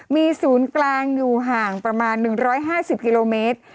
มีศูนย์กลางอยู่ห่างประมาณ๑๕๐กิโลเมตร